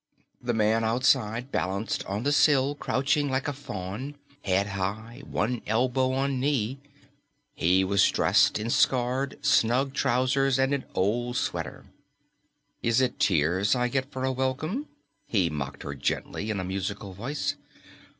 The man outside balanced on the sill, crouching like a faun, head high, one elbow on knee. He was dressed in scarred, snug trousers and an old sweater. "Is it tears I get for a welcome?" he mocked her gently in a musical voice.